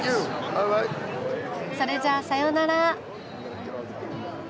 それじゃさようなら。